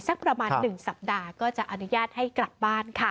สักประมาณ๑สัปดาห์ก็จะอนุญาตให้กลับบ้านค่ะ